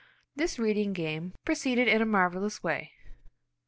This reading game proceeded in a marvellous way.